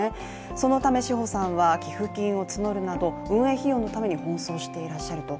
そのため志穂さんは寄付金を募るなど運営費用のために奔走していらっしゃると。